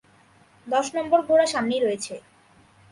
দশ নম্বর ঘোড়া সামনেই রয়েছে।